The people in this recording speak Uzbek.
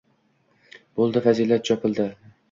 Bo'ldi, fazilat jopildimi?